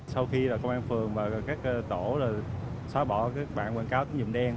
sau khi là công an phường và các tổ xóa bỏ các bạn quảng cáo tính nhiệm đen